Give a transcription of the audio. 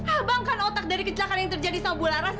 abang kan otak dari kecelakaan yang terjadi sama bulara